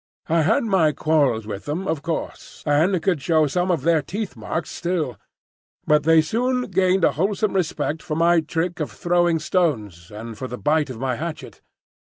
I had my quarrels with them of course, and could show some of their teeth marks still; but they soon gained a wholesome respect for my trick of throwing stones and for the bite of my hatchet.